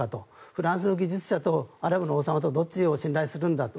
フランスの技術者とアラブの王様とどっちを信頼するんだと。